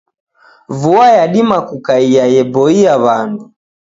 Vua yadima kukaia yeboia wandu.